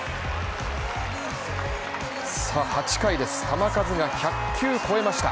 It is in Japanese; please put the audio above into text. ８回です、球数が１００球超えました。